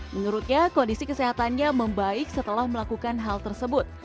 menurutnya kondisi kesehatannya membaik setelah melakukan hal tersebut